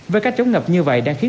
với các chống ngập như vậy đang khiến